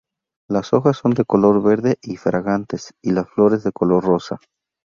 Las hojas son de color verde y fragantes y las flores de color rosa.